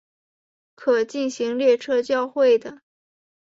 可进行列车交会的。